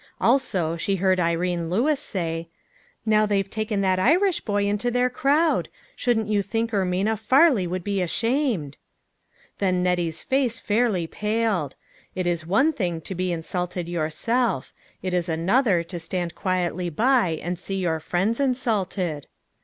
Also she heard Irene Lewis say, " Now they've taken that Irish boy into their crowd shouldn't you think Ermina Farley would be ashamed !" Then Nettie's face fairly paled. It is one thing to be insulted yourself ; it is another to stand quietly by and see your friends insulted.